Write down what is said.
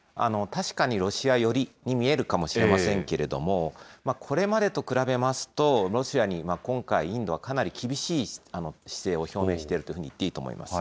確かにロシア寄りに見えるかもしれませんけれども、これまでと比べますと、ロシアに今回、インドはかなり厳しい姿勢を表明していると言っていいと思います。